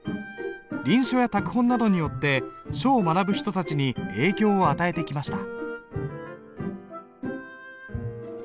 臨書や拓本などによって書を学ぶ人たちに影響を与えてきました。